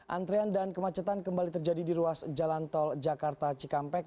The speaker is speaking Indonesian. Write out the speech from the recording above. antrean dan kemacetan kembali terjadi di ruas jalan tol jakarta cikampek